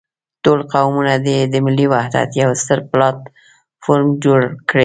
ټول قومونه دې د ملي وحدت يو ستر پلاټ فورم جوړ کړي.